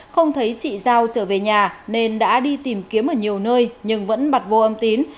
không thấy chị giao trở về nhà nên đã đi tìm kiếm ở nhiều nơi nhưng vẫn bật vô âm tín